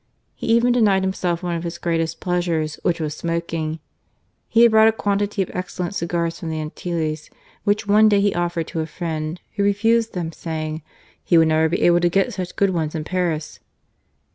He even denied himself one of his greatest pleasures, which was smoking. He had brought a quantity of excellent cigars from the Antilles, which one day he offered to a friend, who refused them, saying, " He would never be able to get such good ones in Paris."